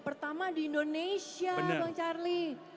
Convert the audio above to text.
pertama di indonesia bang charlie